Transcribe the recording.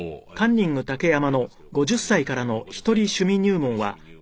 『カンニング竹山の５０歳からのひとり趣味入門』っていう。